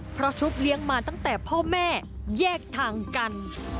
เพราะชุบเลี้ยงมาตั้งแต่พ่อแม่แยกทางกัน